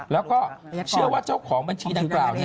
แล้วก็เชื่อว่าเจ้าของบัญชีดังกล่าว